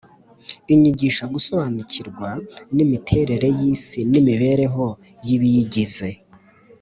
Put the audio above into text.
inyigisha gusobanukirwa n’imiterere y’isi n’imibereho y’ibiyigize;